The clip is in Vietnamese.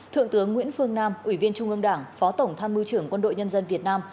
thượng tướng nguyễn phương nam ủy viên trung ương đảng phó tổng tham mưu trưởng quân đội nhân dân việt nam